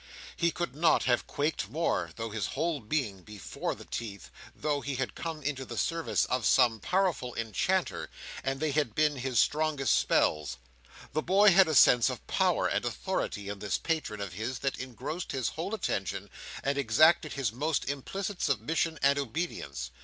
He could not have quaked more, through his whole being, before the teeth, though he had come into the service of some powerful enchanter, and they had been his strongest spells. The boy had a sense of power and authority in this patron of his that engrossed his whole attention and exacted his most implicit submission and obedience.